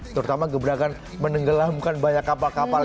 terutama gebrakan menenggelamkan banyak kapal kapal